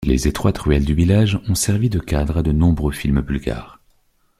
Les étroites ruelles du village ont servi de cadre à de nombreux films bulgares.